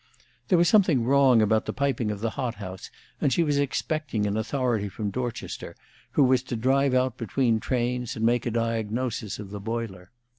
There was something wrong about the piping of the hothouse, and she was expecting an authority from Dorchester, who was to drive out between trains and make a diagnosis of the boiler.